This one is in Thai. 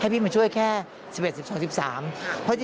คือแม้ว่าจะมีการเลื่อนงานชาวพนักกิจแต่พิธีไว้อาลัยยังมีครบ๓วันเหมือนเดิม